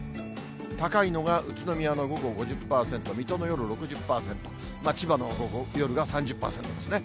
高いのが宇都宮の午後５０％、水戸の夜６０％、千葉の午後、夜が３０％ですね。